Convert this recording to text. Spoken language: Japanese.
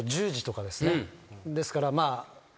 ですから。